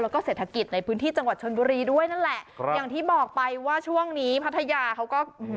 แล้วก็เศรษฐกิจในพื้นที่จังหวัดชนบุรีด้วยนั่นแหละครับอย่างที่บอกไปว่าช่วงนี้พัทยาเขาก็